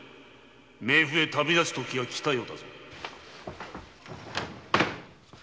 冥府へ旅立つときがきたようだぞ。